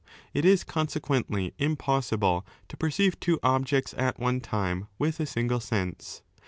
It is consequently impossible to 9 perceive two objects at one time with a single sense.